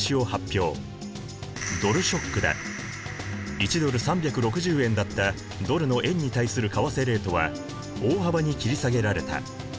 １ドル３６０円だったドルの円に対する為替レートは大幅に切り下げられた。